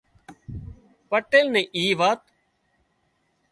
پٽيل نين اي وات